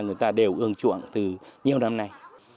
người ta đều ương chuộng từ nhiều năm nay